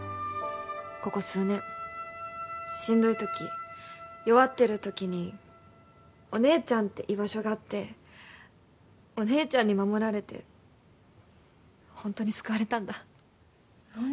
ここ数年しんどい時弱ってる時にお姉ちゃんって居場所があってお姉ちゃんに守られてホントに救われたんだ何？